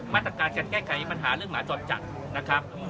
มาตรการการแก้ไขปัญหาเรื่องหมาจรจัดนะครับ